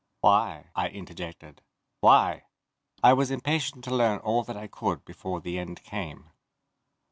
"Why?" I interjected. "Why?" I was impatient to learn all that I could before the end came.